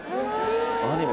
アニメ